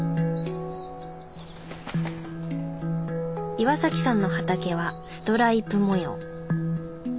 岩さんの畑はストライプ模様。